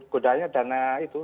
godanya dana itu